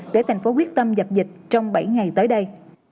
để thành phố quyết tâm dập dịch trong bảy ngày tới đây